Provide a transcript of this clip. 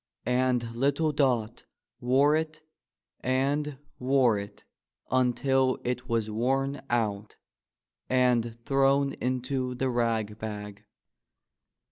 And little Dot wore it and wore it until it was worn out and thrown into the rag bag.